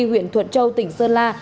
huyện thuận châu tỉnh sơn la